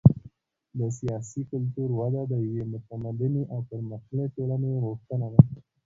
د سیاسي کلتور وده د یوې متمدنې او پرمختللې ټولنې غوښتنه ده.